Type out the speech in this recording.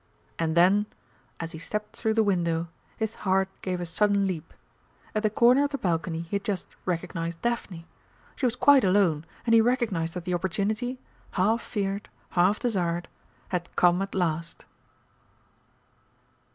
And then, as he stepped through the window, his heart gave a sudden leap. At the corner of the balcony he had just recognised Daphne. She was quite alone, and he recognised that the opportunity, half feared, half desired, had come at last.